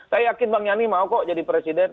saya yakin bang yani mau kok jadi presiden